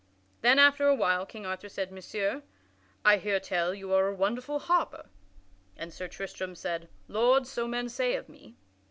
Then, after a while King Arthur said: "Messire, I hear tell that you are a wonderful harper." And Sir Tristram said, "Lord, so men say of me."